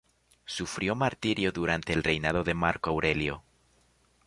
Sufrió martirio durante el reinado de Marco Aurelio.